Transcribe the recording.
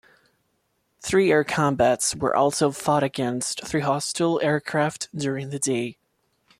Three air combats were also fought against three hostile aircraft during the day.